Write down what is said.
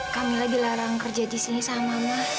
kamila dilarang kerja disini sama mama